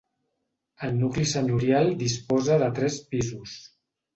El nucli senyorial disposa de tres pisos.